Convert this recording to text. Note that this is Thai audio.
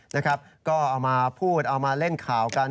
นะครับก็เอามาพูดเอามาเล่นข่าวกัน